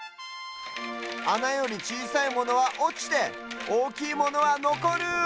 あなよりちいさいものはおちておおきいものはのこる！